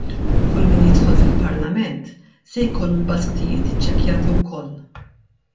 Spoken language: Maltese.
Kull min jidħol fil-Parlament se jkollu l-basktijiet iċċekkjati wkoll.